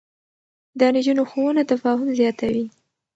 د نجونو ښوونه تفاهم زياتوي.